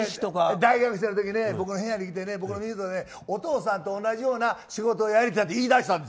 大学生の時僕の部屋に来て、お父さんと同じような仕事をやりたいと言い出したんです。